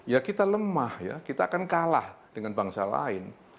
ya kita lemah ya kita akan kalah dengan bangsa lain